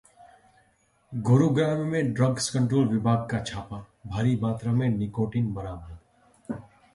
गुरुग्राम में drugs control विभाग का छापा, भारी मात्रा में निकोटिन बरामद